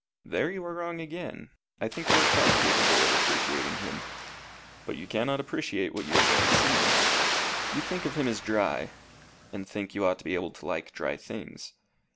"There you are wrong again. I think you are quite capable of appreciating him. But you cannot appreciate what you have never seen. You think of him as dry, and think you ought to be able to like dry things.